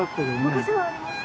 昔はありました？